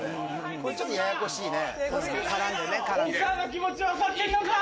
これちょっとややこしいね。